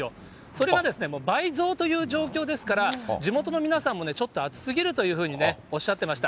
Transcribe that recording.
それが倍増という状況ですから、地元の皆さんもね、ちょっと暑すぎるというふうにね、おっしゃってました。